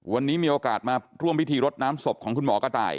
วันนี้มีโอกาสมาร่วมพิธีรดน้ำศพของคุณหมอกระต่าย